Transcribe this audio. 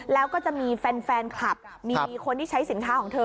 แล้วก็จะมีแฟนคลับมีคนที่ใช้สินค้าของเธอ